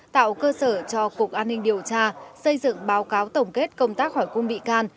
tạo cơ sở cho cục an ninh điều tra xây dựng báo cáo tổng kết công tác hỏi cung bị can